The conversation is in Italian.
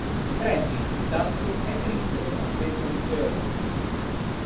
Randy, intanto, è triste per la partenza di Earl.